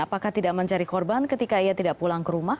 apakah tidak mencari korban ketika ia tidak pulang ke rumah